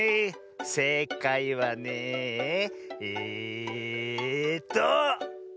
せいかいはねええと。